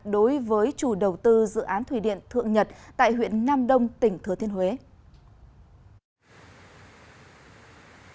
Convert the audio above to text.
đối với chủ đầu tư dự án thủy điện thượng nhật tại huyện nam đông tỉnh thừa thiên huế